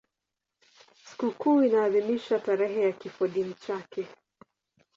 Sikukuu inaadhimishwa tarehe ya kifodini chake.